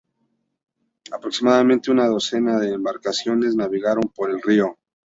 Aproximadamente una docena de embarcaciones navegaron por el río.